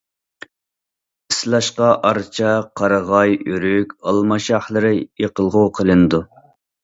ئىسلاشقا ئارچا، قارىغاي، ئۆرۈك، ئالما شاخلىرى يېقىلغۇ قىلىنىدۇ.